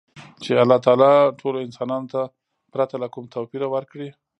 چـې اللـه تعـالا ټـولـو انسـانـانـو تـه ،پـرتـه لـه کـوم تـوپـيره ورکـړى.